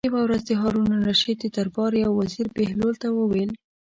یوه ورځ د هارون الرشید د دربار یو وزیر بهلول ته وویل.